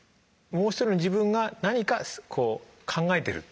「もう１人の自分」が何かこう考えてる。